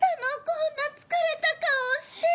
こんな疲れた顔して。